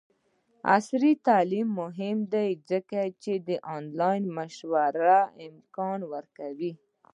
عصري تعلیم مهم دی ځکه چې د آنلاین مشورې امکان ورکوي.